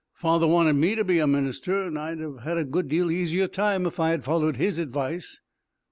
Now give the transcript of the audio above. "Father wanted me to be a minister, and I'd have had a good deal easier time if I had followed his advice."